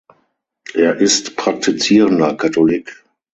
Er ist praktizierender Katholik.